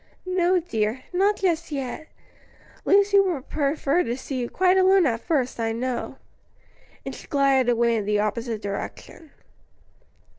"No, dear, not just yet. Lucy would prefer to see you quite alone at first, I know." And she glided away in the opposite direction.